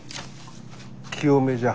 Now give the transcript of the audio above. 清めじゃ。